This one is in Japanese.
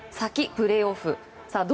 プレーオフ